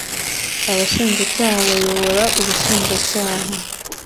abashinjacyaha bayobora ubushinjacyaha